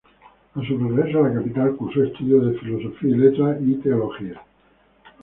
A su regreso a la capital cursó estudios de Filosofía y Letras y Teología.